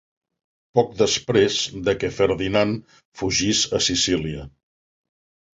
Poc després de que Ferdinand fugís a Sicília.